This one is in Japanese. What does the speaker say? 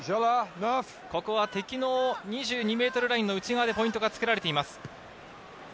ここは敵の２２ｍラインの内側でポイントがつくられています。